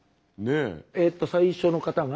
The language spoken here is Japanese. えっと最初の方が。